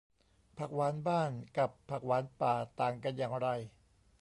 ผักหวานบ้านกับผักหวานป่า ต่างกันอย่างไร